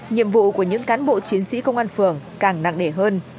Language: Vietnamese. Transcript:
nhiệm vụ của những cán bộ chiến sĩ công an phường càng nặng nề hơn